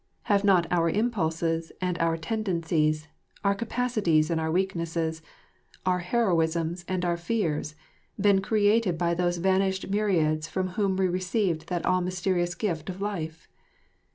Have not our impulses and our tendencies, our capacities and our weaknesses, our heroisms and our fears, been created by those vanished myriads from whom we received that all mysterious gift of life?